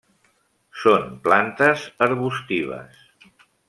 Són plantes arbustives.